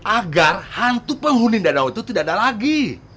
agar hantu penghuni danau itu tidak ada lagi